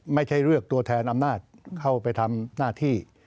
ไม่ใช่เลือกตัวแทนอำนาจเข้าไปทำหน้าที่